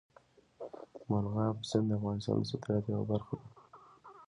مورغاب سیند د افغانستان د صادراتو یوه برخه ده.